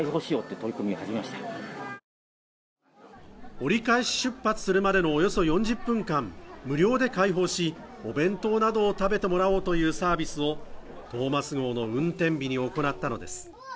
折り返し出発するまでのおよそ４０分間、無料で開放し、お弁当などを食べてもらおうというサービスをトーマス号の運転日に行ったのです。